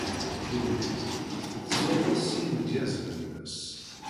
Langliz tettzuxxu s yimedyazen-nnes.